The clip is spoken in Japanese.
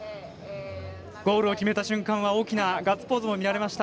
ゴールを決めた瞬間は大きなガッツポーズが見られました。